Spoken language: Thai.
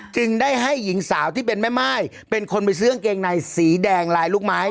จึงได้ให้หญิงสาวที่เป็นแม่ม่ายเป็นคนไปซื้อกางเกงในสีแดงลายลูกไม้